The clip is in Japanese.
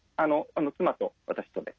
妻と私とで。